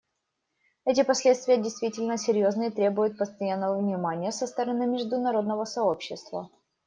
Эти последствия действительно серьезны и требуют постоянного внимания со стороны международного сообщества.